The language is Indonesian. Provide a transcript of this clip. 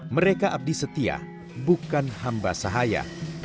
mereka abdi setia bukan hamba sahaya